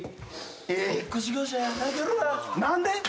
何で！？